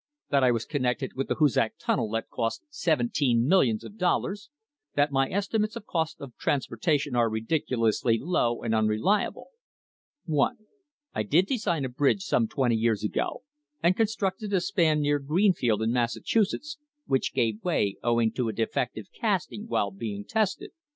2. That I was connected with the Hoosac Tunnel that cost seventeen millions of dollars. 3. That my estimates of cost of transportation are ridiculously low and unreliable. 1. I did design a bridge some twenty years ago, and constructed a span near Green field, in Massachusetts, which gave way, owing to a defective casting, while being tested.